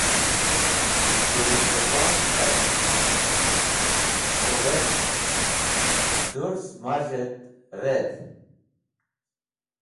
Gũl-e Qũrbon K̃hati: “Kho, wez! Dũrz maz̃h et redh.“